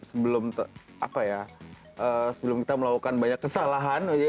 sebelum apa ya sebelum kita melakukan banyak kesalahan